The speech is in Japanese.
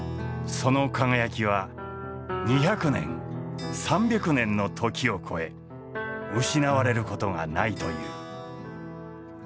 その輝きは２００年３００年の時を超え失われることがないという。